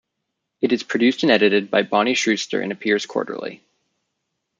It is produced and edited by Bonnie Schuster and appears quarterly.